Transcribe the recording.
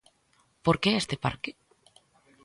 Por que este parque?